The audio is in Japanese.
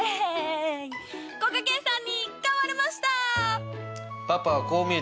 こがけんさんに買われました！